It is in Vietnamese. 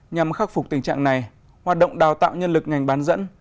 nhằm khắc phục tình trạng này hoạt động đào tạo nhân lực ngành bán dẫn